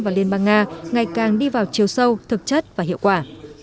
và liên bang nga ngày càng đi vào chiều sâu thực chất và hiệu quả